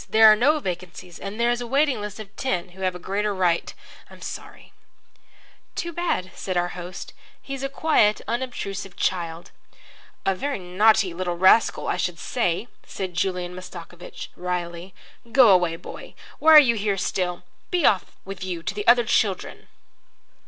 There are no vacancies, and there is a waiting list of ten who have a greater right I'm sorry." "Too bad," said our host. "He's a quiet, unobtrusive child." "A very naughty little rascal, I should say," said Julian Mastakovich, wryly. "Go away, boy. Why are you here still? Be off with you to the other children."